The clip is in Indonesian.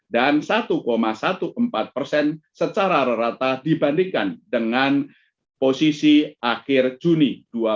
dan satu empat belas secara rata dibandingkan dengan posisi akhir juni dua ribu dua puluh satu